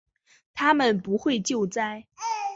他们不会救灾